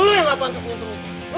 lu yang gak pantas nyentuh michelle